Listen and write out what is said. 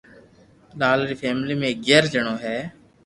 لال ري فيملي مي اگياري جڻو ھي